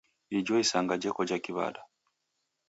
Ijo isanga jeko ja kiw'ada?